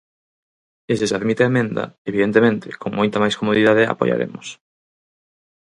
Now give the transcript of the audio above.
E se se admite a emenda, evidentemente, con moita máis comodidade a apoiaremos.